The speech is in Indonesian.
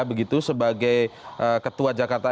begitu sebagai ketua jakarta